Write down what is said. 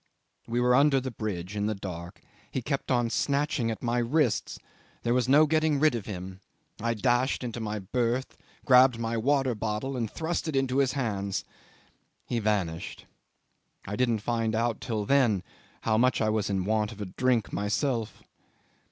We were under the bridge, in the dark. He kept on snatching at my wrists; there was no getting rid of him. I dashed into my berth, grabbed my water bottle, and thrust it into his hands. He vanished. I didn't find out till then how much I was in want of a drink myself."